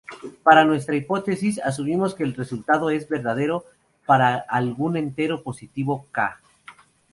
Para nuestra hipótesis asumimos que el resultado es verdadero para algún entero positivo "k".